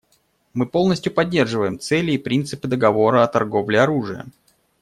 Мы полностью поддерживаем цели и принципы договора о торговле оружием.